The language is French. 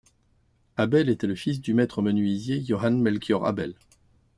Abel était le fils du maître menuisier Johann Melchior Abel.